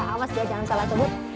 awas ya jangan salah sebut